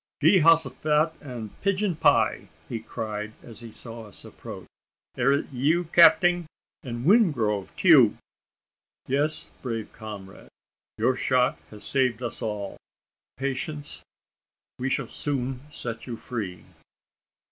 "Jehosophet an' pigeon pie!" cried he, as he saw us approach; "air it yeou, capting? an' Wingrove, teoo!" "Yes, brave comrade! Your shot has saved us all. Patience! we shall soon set you free!"